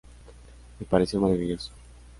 Me pareció maravilloso.